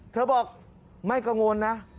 เธอบอกไม่กังวลนะ